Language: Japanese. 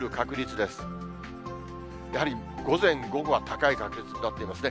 やはり午前、午後は高い確率になっていますね。